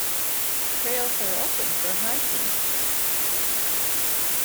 Trails are open for hiking.